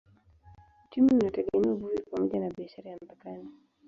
Uchumi unategemea uvuvi pamoja na biashara ya mpakani.